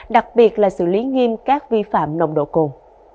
đặc biệt là xử lý nghiêm các vi phạm nồng độ cồn